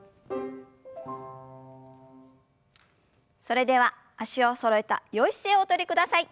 それでは脚をそろえたよい姿勢をおとりください。